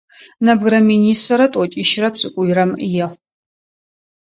Нэбгырэ минишъэрэ тӏокӏищрэ пшӏыкӏуйрэм ехъу.